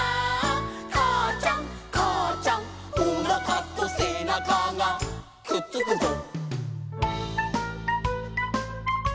「かあちゃんかあちゃん」「おなかとせなかがくっつくぞ」